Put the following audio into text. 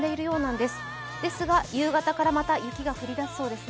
ですが、夕方からまた雪が降り出しそうですね。